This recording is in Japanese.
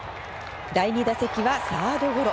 第２打席はサードゴロ。